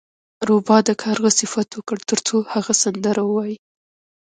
روباه د کارغه صفت وکړ ترڅو هغه سندره ووایي.